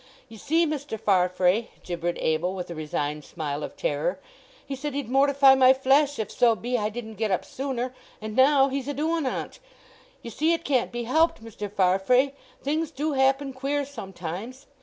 "Ye see, Mr. Farfrae," gibbered Abel with a resigned smile of terror, "he said he'd mortify my flesh if so be I didn't get up sooner, and now he's a doing on't! Ye see it can't be helped, Mr. Farfrae; things do happen queer sometimes!